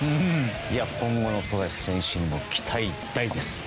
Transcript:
今後の富樫選手にも期待大です。